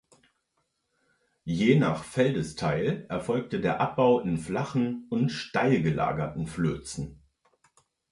Je nach Feldesteil erfolgte der Abbau in flachen und steil gelagerten Flözen.